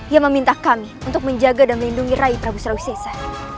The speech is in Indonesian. yang meminta kami untuk menjaga dan melindungi rai prabu sausisa